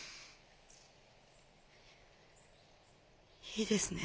いいですね。